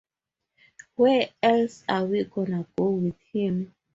Where else are we gonna go with him?